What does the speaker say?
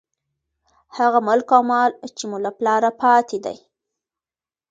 هغه ملک او مال، چې مو له پلاره پاتې دى.